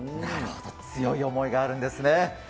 強い思いがあるんですね。